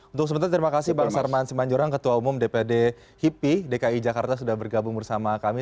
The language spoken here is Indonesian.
untuk sementara terima kasih bang sarman simanjurang ketua umum dpd hipi dki jakarta sudah bergabung bersama kami